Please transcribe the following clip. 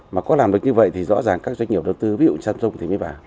mà có làm được như vậy thì rõ ràng các doanh nghiệp đầu tư ví dụ samsung thì mới vào